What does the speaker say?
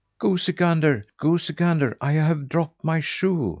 "Goosey gander, goosey gander, I have dropped my shoe!"